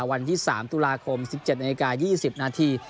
วันที่สามตุลาคมสิบเจ็ดนาฬิกายี่สิบนาที